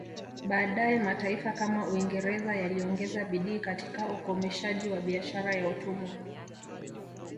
Baadaye mataifa kama Uingereza yaliongeza bidii katika ukomeshaji wa biashara ya utumwa